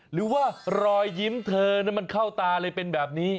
หรือว่ารอยยิ้มเธอมันเข้าตาเลยเป็นแบบนี้